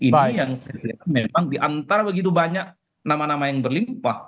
ini yang saya lihat memang di antara begitu banyak nama nama yang berlimpah